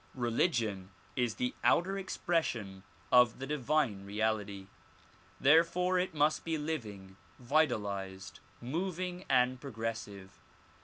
Religion is the outer expression of the divine reality. Therefore it must be living, vitalized, moving and progressive.